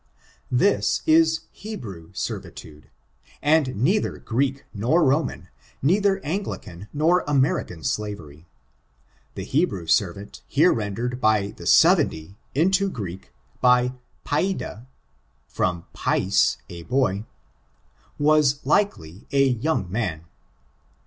This is Hebrew servitude, and neither Greek nor Roman, neither Anglican nor American slavery. The Hebrew servant, here rendered by the seventy, into Greek, by paida (from pais, a boy) was, likely, a young man.